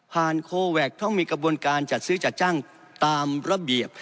โคแวคต้องมีกระบวนการจัดซื้อจัดจ้างตามระเบียบ